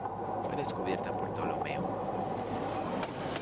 Fue descubierta por Ptolomeo.